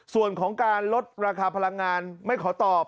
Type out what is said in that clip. ส่วนของการลดราคาพลังงานไม่ขอตอบ